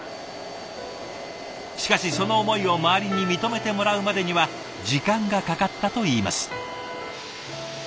しかしその思いを周りに認めてもらうまでには時間がかかったといいます。